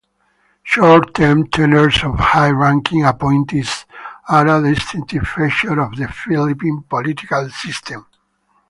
Short-term tenures of high-ranking appointees are a distinctive feature of the Philippine political system.